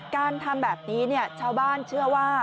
การทำแบบนี้ชาวบ้านเชื่อว่า